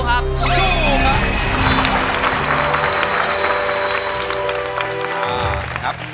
อ่า์ครับ